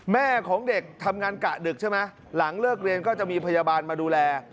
แม่ของเด็กทำงานกะดึกใช่ไหมหลังเลิกเรียนก็จะมีพยาบาลมาดูแล